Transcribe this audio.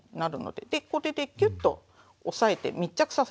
でこれでキュッと押さえて密着させて下さい。